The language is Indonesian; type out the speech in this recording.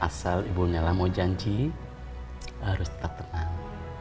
asal ibu nella mau janji harus tetap tenang